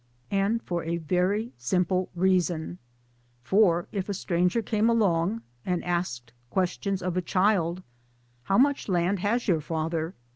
And for a very simple reason. For if a stranger came along and asked questions of a child " How much land has your father?